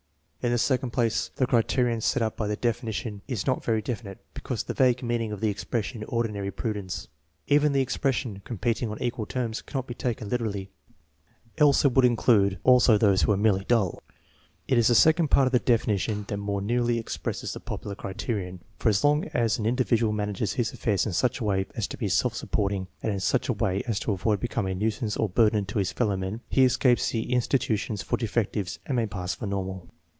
In the second place, the criterion set up by the definition is not very definite because of the vague meaning of the expression " ordinary prudence." Even the expression " competing on equal terms " cannot be taken literally, else it would include also those who are merely dull. It is the second part of the definition that more nearly ex presses the popular criterion, for as long as an individual manages his affairs in such a way as to be self supporting, and in such a way as to avoid becoming a nuisance or burden to his fellowmen, he escapes the institutions for defectives and may pass for normal.